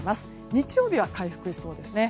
日曜日は回復しそうですね。